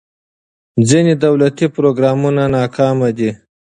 ځینې دولتي پروګرامونه ناکام دي.